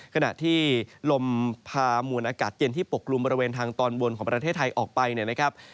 ขณะที่ลมพามวลอากาศเย็นที่ปกลุ่มบริเวณทางตอนบนของประเทศไทยออกไปเนี่ยนะครับ